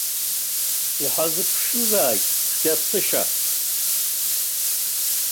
Иҳазԥшызааит цәгьаԥсышьа!